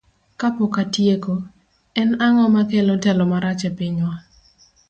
Kapok atieko, en ang'o makelo telo marach e pinywa?